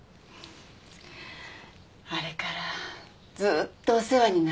あれからずーっとお世話になりっ放しなの。